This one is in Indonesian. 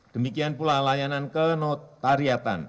demikian pula layanan kenotariatan